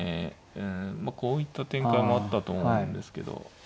うんまあこういった展開もあったと思うんですけど。